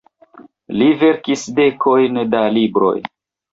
Li verkis dekojn da libroj.